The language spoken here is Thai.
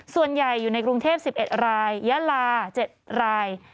ส่วนใหญ่อยู่ในกรุงเทพ๑๑รายยะลา๗ราย